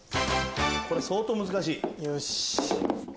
これ相当難しい。